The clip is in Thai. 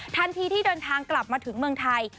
ทันทีที่เดินทางกลับมาถึงเมืองไทย